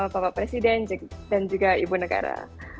bapak presiden dan juga ibu negara